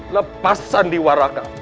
lepasan di waraka